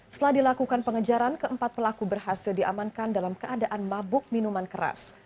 setelah dilakukan pengejaran keempat pelaku berhasil diamankan dalam keadaan mabuk minuman keras